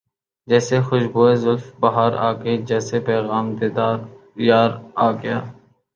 جیسے خوشبوئے زلف بہار آ گئی جیسے پیغام دیدار یار آ گیا